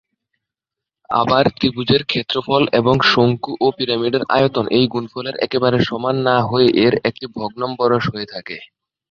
আবার, ত্রিভুজের ক্ষেত্রফল এবং শঙ্কু ও পিরামিডের আয়তন এই গুণফলের একেবারে সমান না হয়ে এর একটি ভগ্নম্বরশ হয়ে থাকে।